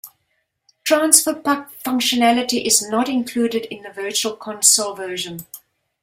Transfer Pak functionality is not included in the Virtual Console version.